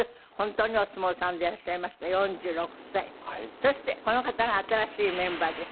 そしてこの方が新しいメンバーです。